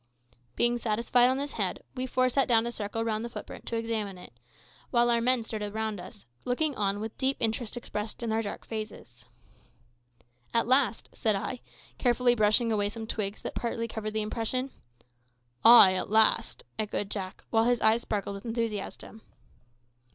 Being satisfied on this head, we four sat down in a circle round the footprint to examine it, while our men stood round about us, looking on with deep interest expressed in their dark faces. "At last!" said I, carefully brushing away some twigs that partly covered the impression. "Ay, at last!" echoed Jack, while his eyes sparkled with enthusiasm.